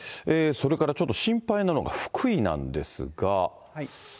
それからちょっと心配なのが福井なんですが。